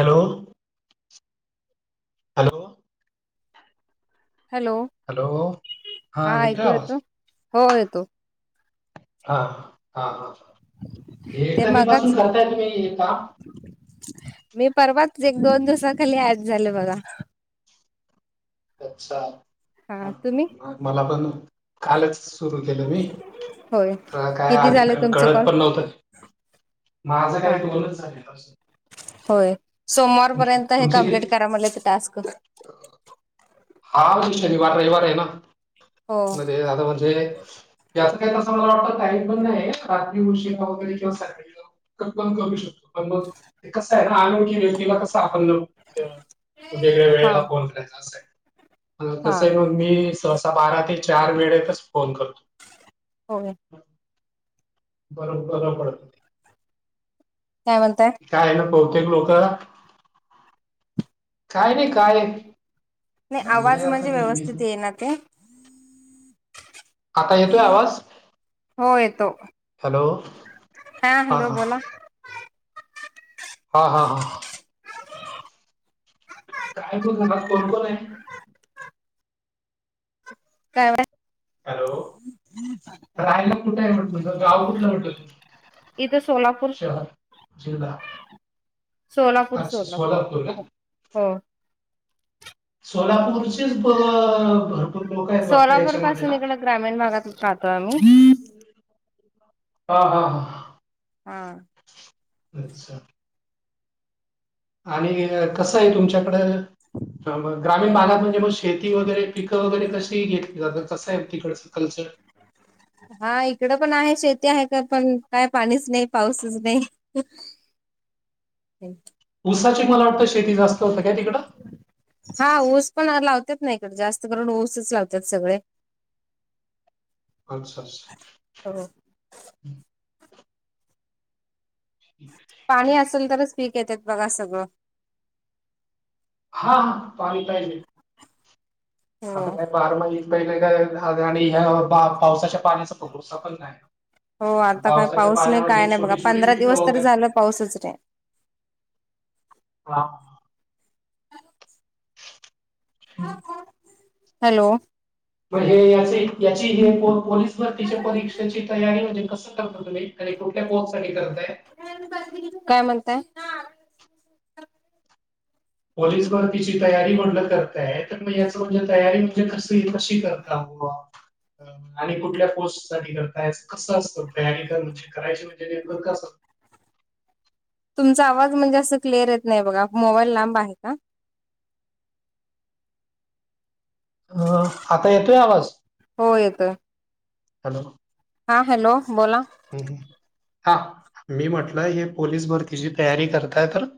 Hello hello hello hello हा येतोय ऐकू आवाज येतो हो येतो हा ह हा ह ते एखादीीपासून मगाच करताय तुम्ही ए का मी परवाच एक दोन दिवसाखाली ॲड झाले बघा अच्छा हा तुम्ही मला पण कालच सुरू केलं मी होय ला काय किती आध झाले तुमचं कळत कॉल पण नव्हतं माझं हा काही बोलत झाले होय सोमवारपर्यंत हे तुमचे कंप्लीट किती कराय म्ह ते टास्क हा वाार रविवार आहे ना हो म आता म्हणजे जचं काही तसं मला वाटत काही पण नाही रात्री उशीिा वगैरे किंवा स पण करू शकतो पण मग ते कस आहे ना आणनोखी व्यक्तीला कस आपणलं हा वेगळ्याेळेला फोन करायचा असेल हा तसंही मग मी सहसा बारा ते चार वेळेतच फोन करतो हो बरो बर पडत काय म्हणताय काय आहे ना बहुतेक लोक काय नाही काय नाही आवाज चाललंय म्हणजे आता लेडीस व्यवस्थित ये ना ते आता येतोय आवाज हो येतो हॅलो हा हॅलो बोला हा हा हा काय ब झाला कोणकण आहे काय हॅलो राहायला कुठे आहे म्हटत तुझं गाव कुठला वाटत तु इथे सोलापूर शहर जिल्हा सोलापूर अच्छा सोलापूर का? हो. सोलापूरचीच भरपूर. लोक आहेत वाटतं सोलापूर याच्यामध्ये पासून ना? इकड ग्रामीण भागात राहतो आम्ही. हा हा हा हा. अच्छा! आणि कसं आहे तुमच्याकडे. ह ग्रामीण भागात म्हणजे मग शेती वगैरे पिकं वगैरे कशी घेतली जात कसं आहे तिकडचं कल्चर. हा इकडं पण आहे शेती आहे का पण काय पाणीच नाही पाऊसच नाही. हम् उऊसाची मला वाटतं शेती जास्त होतं काय तिकडं. हा ओस पण लावतात नाही इकडे जास्त करून ओसच लावतात सगळे. आच स. हो हम् पाणी असेल तरच पीक येतेेत बघा सगळं. हा हा पाार पाहिजे. आता हो. काय बारा महि महिने का झा आणि पावसाच्या पाण्याचा पुरसा पण नाही. हो आता काय पावसाच्या पाऊस नाही पाण्यावर काय हे नाही बघा छोटी-छोटी पंधरा पिकं दिवस तररी वगैरे झालं पाऊसच र हा. ह [inaudible] [inaudible] हॅलो! हे याचे याची हे पोलीस भरतीच्या परीक्षेची तयारी म्हणजे कसं करत. आणि कुठल्या पोर्कसाठी करतय. काय म्हणताय. पॉलीस वर तिची तयारी म्हणलं करताय तर मग याच म्हणजे तयारी म्हणजे कस कशी करता. [inaudible] आणि कुठल्या पोस्ट साठी करतायच कसं असतं तयारी कर म्हणजे करायची म्हणजे नेमक का असत. तुमचा आवाज म्हणजे असं क्लिअर येत नाही बघा मोबाईल लांब आहे का. अ आता येतोय आवाज. हो येतं. हॅलो! हा हॅलो बोला. ह हा मी म्हटलं हे पोलीस भरतीिची तयारी करताय तर.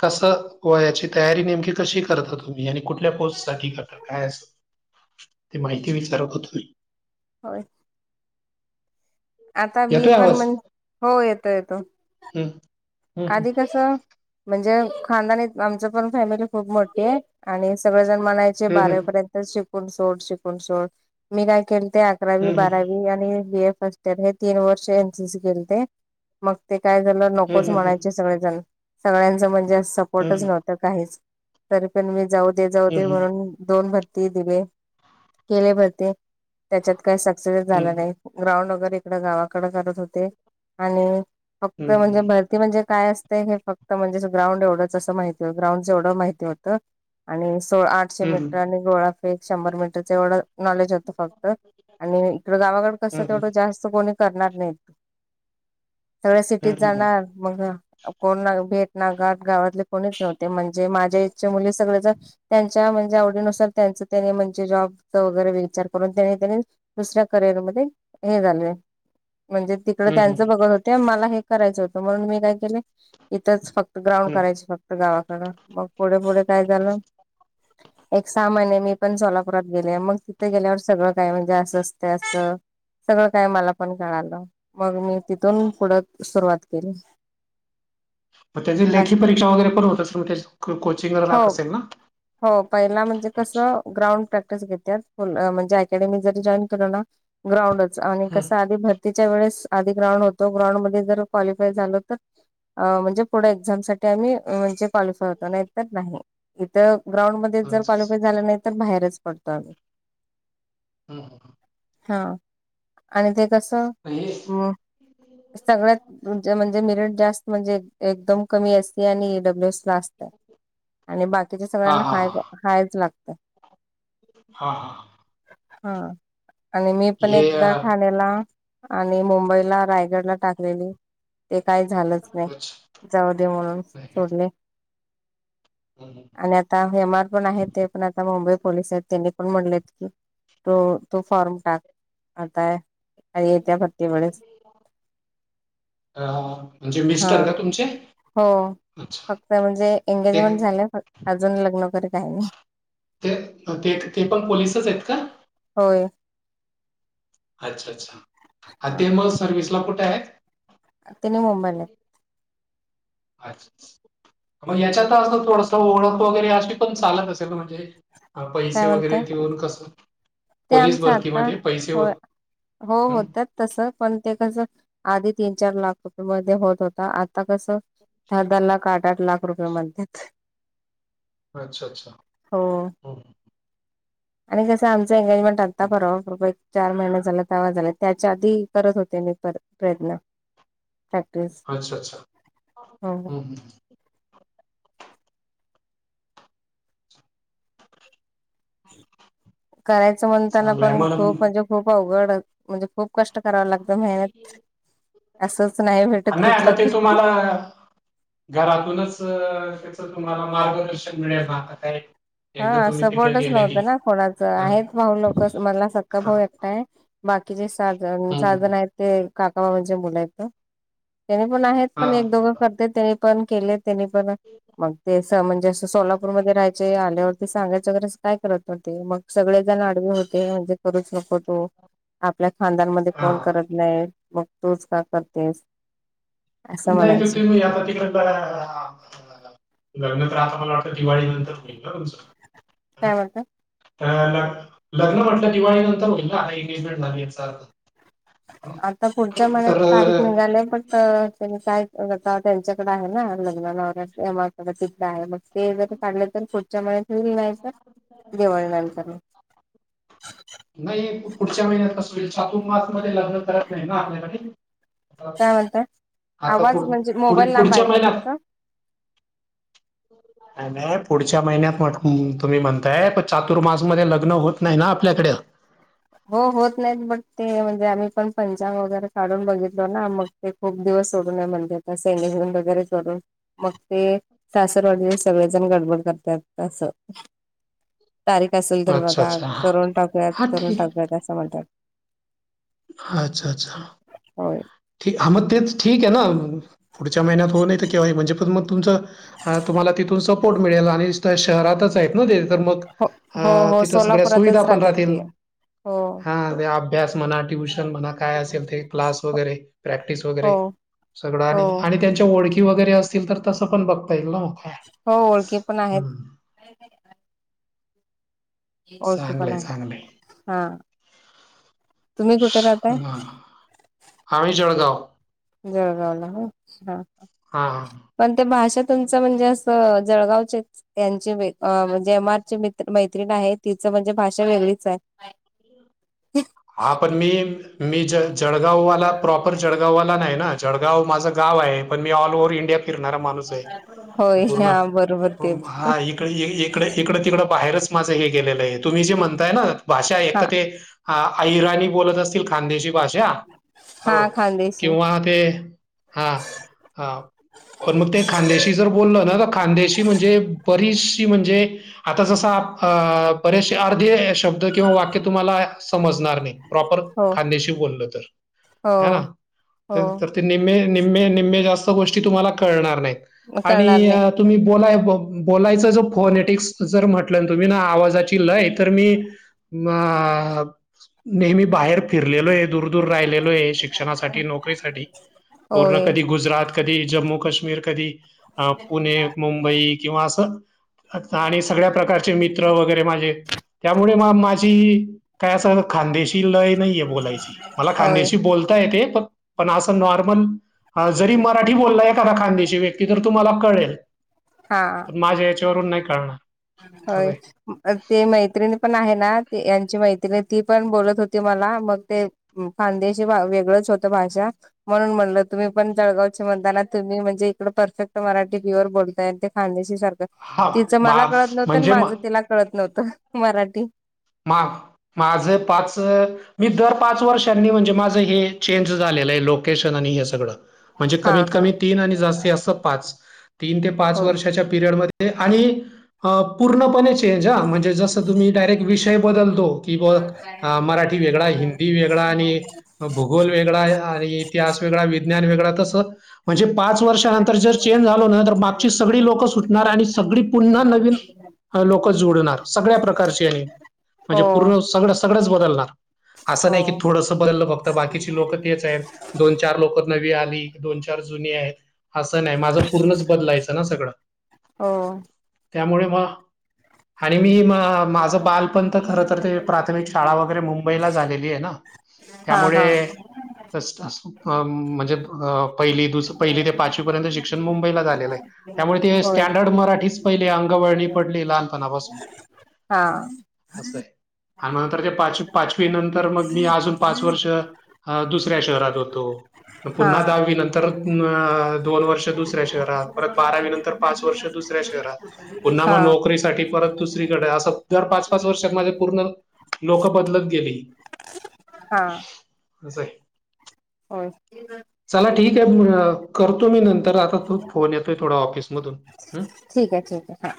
कसं व याची तयारी नेमकी कशी करता तुम्ही आणि कुठल्या पोस्ट साठी करता. काय अस ते माहिती विचारत होत हो. होय आता मी येतोय पण आवाज? म्हण हो येतो येतो. [inaudible] हं. आधी कसं. म्हणजे खानदानी आमच पण फॅमिली खूप मोठी आहे आणि सगळेजण म्हनायच. हं, हं. बर्यंत शून सड शून सोड मी काय के. अकरावी हं, हं. बारावी आणि बी ए फस्ट. तर हे तीन वर्ष एनसीसी केेले ते मग ते काय झालं हं, नकोच हं, हं. म्हणायचे सगळेजण. सगळ्यांचं म्हणजे हं, सपोर्टच हं. नव्हतं काहीच तरी पण मी जाऊ दे जाऊ हं, दे हं. म्हणून दोन म्ह दिले केले भरते त्याच्यात काय सक्सेस हं, झाला हं. नाही. ग्राउंड वगैरे इकड गावाकडे करत होते आणि फक्त हं, म्हणजेर. हं. ती म्हणजे काय असते हे फक्त म्हणजे ग्राउंड एवढंच असं माहिती ग्राउंडचं एवढं माहिती होतं. आणि सोळा आठशे हं, हं. मीटर आणि गोळाफेक शंभर मीटरच एवढं नॉलेज होतं फक्त. आणि इकडं गावाकडे कसं हं, तेवढं जास्त कोणी करणार नाही. सगळ्या सिटीत हं. जाणार. मग कोण ना भेटनार घाट गावातले कोणीच नव्हते म्हणजे माझ्या एजच्या मुलीच सगळे जण त्यांच्या म्हणजे आवडीनुसार त्यांच त्यानी म्हणजे जॉबचा वगैरे विचार करून त्यांनी ते दुसऱ्या करिअरमध्ये हे झालय म्हणजे तिकड हं, हं. त्यांचं हं, बघत होत्या मला हे करायचं होतं म्हणून मी काय केले इथंच फक्त ग्राउंड हं. करायचे फक्त गावाकडं मग पुढे-पुढे काय झालं? एक सहा महिने मी पण सोलापुरात गेले मग तिथे गेल्यावर सगळं काय म्हणजे असं असते असं सगळं काय मला पण कळालं मग मी तिथून पुढं सुरवात केली. मग त्याची असं लेखी परीक्षा वगैरे पण होत असेल मग त्याची कोचिंग हो लाख असेल ना. हो पहिला म्हणजे कसं ग्राउंड प्रॅक्टिस घेत्यात. पूर्ण म्हणजे अकॅडमी जरी जॉईन केलो ना ग्राउंडच आणि हं कसं आधी भर तिच्या वेळेस आधी ग्राउंड होतो ग्राउंड मध्ये जर क्वालिफाय झालो तर अ म्हणजे पुढे एक्झाम साठी आम्ही म्हणजे क्वालिफाय होतो नाही तर नाही. तर ग्राउंडमध्येध्ये अच्छा जर अच्छा कॉलिफाय झाला नाही तर बाहेरच पडतो आम्ही. [inaudible] हो. हा आणि ते कसं? [unintelligible] हो. सगळ्यात म्हणजे म्हणजे मिरिट जास्त म्हणजे एकदम कमी असते आणि ई डब्ल्यू एस ला अस आणि बाकीच्या हा सगळ्यांना हा हाय हा हायच लागत. हा हा. हा आणि मी पण हे अ, एकदा ठाण्याला आणि मुंबईला रायगडला टाकलेले ते काही झालंच नाही. अच्छा जाऊ दे म्हणून नाही का सोडले. हम्म. आणि आता एम आर पण आहेत ते पण आता मुंबई पोलीस आहेत त्यांनी पण म्हणलेत की तो तो फॉर्म टाक आताय. [inaudible] अ म्हणजे हा मिस्टर का तुमचे? हो अच्छा फक्त म्हणजे ते एंगेजमेंट झाल्या फक्त अजून लग्न वगैरे काय नाही. मग ते तिथे पण पोलिसच आहेत का? होय. अच्छा, अच्छा. हा ते मग सर्विसला कुठे आहेत? त्यांनी मुंबईला आहेत. अच्छा अच्छा, मग हा याच्यात अस थोडस ओळख वगैरे आशी पण चालत असेल ना? म्हणजे हा काय पैसे म्हणताय वगैरे देऊन कस ते आमच आता होय. हो हं होतात. तस पण ते कसं आधी तीन चार लाख रुपये मध्ये होत होत आता कसं दहा-दहा लाख आठ-आठ लाख रुपये म्हणत्यात. [inaudible] अच्छा अच्छा हो [inaudible] हम्. आणि कसं आमचं एंगेजमेंट आता परवा परवा एक चार महिने झाले तवा झालेत. त्याच्या आधी करत होते मी पण प्रयत्न. प्रॅक्टिस अच्छा, अच्छा हो [inaudible] हम् ह्. करायचं म्हणतान चांगलंय पण मला खूप म्हणजे खूप अवघड म्हणजे खूप कष्ट करावं लागतं मेहनत असंच नाही हा भेटत नाही आता कुठलं ते पण. [inaudible] तुम्हाला घरातूनच तस तुम्हाला मार्गदर्शन मिळेल ना आता काय? एकदा हा तुम्ही तिकडे सपोर्टच गेले नव्हता की ना कोणाचा. हा आहेत भाऊ लोक मला सख्खा हा भाऊ एकटा आहे. बाकीचेे सहा जण सहा जन आहेत ते काका बाबांचे मुलं आहेत ओ त्यांनी पण आहेत. हा पण एक, दोघ करत्यात त्यांनी पण केले. नी पण मग ते म्हणजे अस सोलापूरमध्येध्ये राहायचे आ सांगायचं वगैरे काय करत होते मग सगळेजण आडवे होते म्हणजे करूच नको तो आपल्या खानदांमध्ये हा कोण करत नाही मग तूच का करतेस असं नाही त म्हणायचे त आता तिकडडे लग्न तर आता मला वाटतं दिवाळी नंतर होईल तुमचं काय वातं लग्न म्हटलं दिवाळी नंतर होईल ना हा एंगेजमेंट झाली याचा अर्थ आता पुढच्या महिन्यात तर तारीख निघाली पण त्यां काय त्यांच्याकडे आहे ना लग्ना तिथड आहे मग ते जर काढलं तर पुढच्या मत येल नाही तर जवळ नाही नाही पुढच्या महिन्यात कस होईल ात्र मास मध्ये लग्न करत नाही ना आपल्याकडे काय म्हणताय आता आवाज पुढ म्हणजे पु मोबाईल लांब आहे पुढच्या का महिन्यात तुमचा नाही नाही पुढच्या महिन्यात तुम्ही म्हणताय प चातुर्मास मध्ये लग्न होत नाही ना आपल्याकडे हो होत नाहीत बट ते म्हणजे आम्ही पण पंचांग वगैरे काढून बघितलो ना मग ते खूप दिवस सोडून म्हणजे आता सेडून वगैरे करून मग ते सासरवाडी सगळेजण गडबड करतात असं तारीख असेल तर अच्छा बघा अच्छा करून टाकूयात हा करुण ठीक टाकूयात असं म्हणतात अच्छा अच्छा हो ठी हा मग तेच ठीक आहे ना पुढच्या महिन्यात हो नाही तर कं्हा म्हणजे पण मग तुमचं तुम्हाला तिथून सपोर्ट मिळेल आणि शहरातच तर मग हो हो हो तिथ सगळ्या सुविधा सोलापुरातच पण राहतात राहतील ते हो हा ते अभ्यास म्हणा ट्युशन म्हणा काय असेल ते क्लास वगैरे प्रॅक्टिस हो वगैरे सगळं हो आणि आणि त्यांच्या ओळखी वगैरे असतील तर तसं पण बघता येईल ना काय हो ओळखी पण आहेत हम्म. ओळखे पण चांगलंय आहे चांगलंय. हा तुम्ही कुठे राहताय ह आम्ही जळगाव जर झाला हा हां हां पण ते भाषा तुमचं म्हणजे असं जळगावच्या त्यांची म्हणजे आरची म मैत्रिण आहे तिचं म्हणजे भाषा वेगळीच आहे हा पण मी मी ज जळगाववाला प्रॉपर जळगाववाला नाही ना जळगाव माझं गाव आहे पण मी ऑलओव्ह इंडिया फिरणारा माणूस आहे होय हा पूर्ण बरोबर ते हा इकड इकडं तिकडं बाहेरच माझं हे गेलेलं आहे तुम्ही जे म्हणताय ना भाषा एक हा तर ते हिराणी बोलत असतील खांदेची भाषा हो हा खानदेशी किंवा ते हा पण मग ते खानदेशी जर बोललं ना तर खानदेशी म्हणजे बरीचशी म्हणजे आता जसं बरेचसे अर्धे शब्द किंवा वाक्य तुम्हाला समजणार नाही प्रॉपर हो खांद्याशी बोलल तर हो ह ना हो निम्मे निम्मे निम्मे जास्त गोष्टी तुम्हाला कळणार नाहीत कळणार आणि नाही तुम्ही बोलाय बोलायच ज फोनटिक्स जर म्हटलं तुम्ही ना आवाजाची लय तर मी अ नेहमी बाहेर फिरलेलो आहे दूर् राहिल आहे शिक्षणासाठी नोकरी पूर्ण होय कधी गुजात कधी जम्मू काश्मीर कधी अ पुणे मुंबई किंवा असं आता आणि सगळ्या प्रकारचे मित्र वगैरे माझे त्यामुळे मग माझी काय असं खानदेशी लय नाहीये बोलायची मला होय खानदेशी बोलता येत पण पण असं नॉर्मल जरी मराठी बोललायखादा खांदेची व्यक्ती तर तुम्हाला कळेल हा तर माझ्या याच्यावरून नाही करळणार ह... ते मैत्रिणी पण आहे ना यांची मैत्रिणी ती पण बोलत होती मला मग ते..... खानदेशी वेगळंच होतं भाषा..... म्हणून म्हणलं तुम्ही पण जळगावचे म्हणताना तुम्ही म्हणजे इकडे परफेक्ट मराठी प्युअर बोलताय ते खानदेशी सारख..... हा तिचं मला मा कळत नव्हतं आणि म्हणजे मा माझं तिला कळत नव्हतं मराठी..... मा माझ पाच..... मी दर पाच वर्षांनी म्हणजे माझं हे चेंज झालेलं आहे लोकेशन आणि हे सगळं..... म्हणजे हा कमीत हा कमी तीन आणि जास्तीत अस पाच तीन ते पाच हो वर्षाच्या पीरियडमध्ये.... ते आणि पूर्णपणे चेंज ह म्हणजे जसं तुम्ही डायरेक्ट विषय बदलतो.... कि ब मराठी वेगळा हिंदी वेगळा आणि भूगोल.... वेगळा आणि इतिहास वेगळा विज्ञान वेगळा तस.... म्हणजे पाच वर्षानंतर जर चेंज झालो ना तर मागची सगळी लोकं सुटणार आणि सगळी पुन्हा नवीन..... लोक जोडणार सगळ्या प्रकारचे आहे.... म्हणजे हो पूर्ण सगळं सगळंच बदलणार असं हो नाही की थोडंसं बदललं फक्त बाकीची लोक तेच आहेत... दोन चार लोक नवी आली दोन चार जुनी आहेत.... असं नाही माझं पूर्णच बदलायचं ना सगळं हो त्यामुळे म.... आणि मी माझ बाल.... खर तर ते प्राथमिक शाळा वगैरे मुंबईला झालेली आहे ना हा हा त्यामुळे.... अच.... अ म्हणजे पहिली द पहिली ते पाचवी पर्यंत शिक्षण मुंबईला झालेलं आहे.... त्यामुळे ते होय स्टँडर्ड मराठीच पहिले अंगवळणी पडली लहानपणापासून... हा.... असं आहे आणि नंतर ते पाचवी पाचवी नंतर मग मी अजून पाच वर्ष.... ह दुसऱ्या शहरात होतो.... म हा पुन्हा दहावी नंतर अ दोन वर्ष दुसऱ्या शहरात.... परत बारावी नंतर पाच वर्ष दुसऱ्या शहरात पुन्हा हा मग नोकरीसाठी परत.... दुसरीकडे असं दर पाच पाच वर्ष माझे पूर्ण लोक बदलत गेली.... हा.... अस आहे.... हो.... चला ठीक आहे करतो मी नंतर आता तो फोन येतोय थोडा ऑफिसमधून.... हं. ठीक आहे ठीक आहे हां...